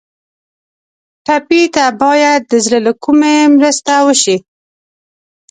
ټپي ته باید د زړه له کومي مرسته وشي.